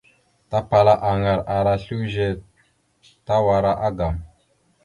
Tapala aŋgar ara slʉze tawara agam.